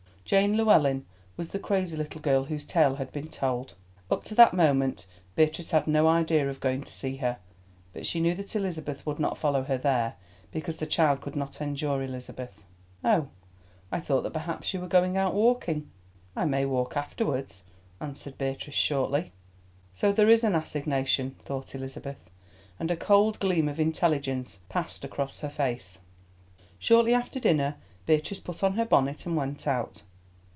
Jane Llewellyn was the crazy little girl whose tale has been told. Up to that moment Beatrice had no idea of going to see her, but she knew that Elizabeth would not follow her there, because the child could not endure Elizabeth. "Oh, I thought that perhaps you were going out walking." "I may walk afterwards," answered Beatrice shortly. "So there is an assignation," thought Elizabeth, and a cold gleam of intelligence passed across her face. Shortly after dinner, Beatrice put on her bonnet and went out.